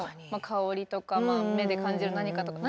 香りとか目で感じる何かとか。